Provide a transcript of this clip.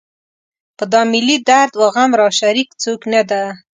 په دا ملي درد و غم راشریک څوک نه ده.